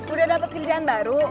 udah dapat kerjaan baru